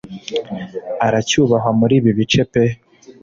aracyubahwa muri ibi bice pe